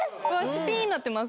シュピーンなってます。